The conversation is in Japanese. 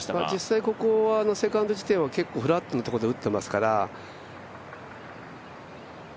実際、ここはセカンド地点は結構フラットなところで打っていますから。